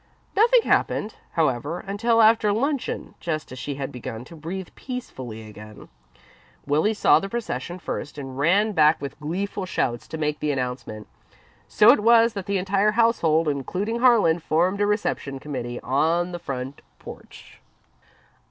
Nothing happened, however, until after luncheon, just as she had begun to breathe peacefully again. Willie saw the procession first and ran back with gleeful shouts to make the announcement. So it was that the entire household, including Harlan, formed a reception committee on the front porch.